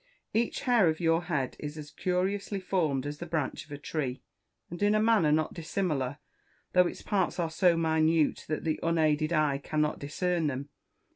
Each hair of your head is as curiously formed as the branch of a tree, and in a manner not dissimilar, though its parts are so minute that the unaided eye cannot discern them.